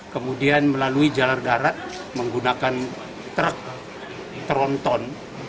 kemudian melalui jalur darat menggunakan truk tronton